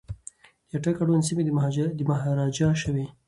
د اټک اړوند سیمي د مهاراجا شوې.